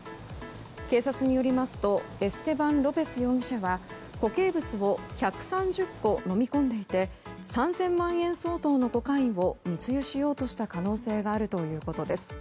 警察によりますとエステバン・ロペス容疑者は固形物を１３０個飲み込んでいて３０００万円相当のコカインを密輸しようとした可能性があるということです。